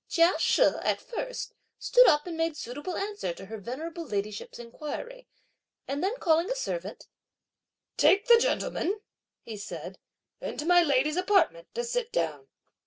Chia She, at first, stood up and made suitable answer to her venerable ladyship's inquiries, and then calling a servant, "Take the gentleman," he said, "into my lady's apartment to sit down."